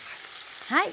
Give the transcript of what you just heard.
はい。